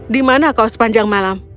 di mana kau sepanjang malam